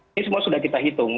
ini semua sudah kita hitung